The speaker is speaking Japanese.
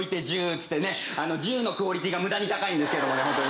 ジューのクオリティーが無駄に高いんですけどね。